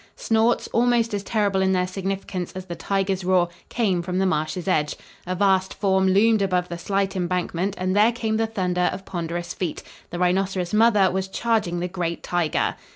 Snorts, almost as terrible in their significance as the tiger's roar, came from the marsh's edge. A vast form loomed above the slight embankment and there came the thunder of ponderous feet. The rhinoceros mother was charging the great tiger!